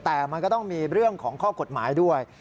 แต่มันก็ต้องมีเรื่องของข้อกฎหมายด้วย